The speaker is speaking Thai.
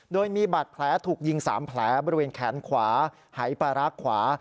โดยมีบาดแผลถูกยิง๓แผลบริเวณแขนขวาหายปารักษ์ขวา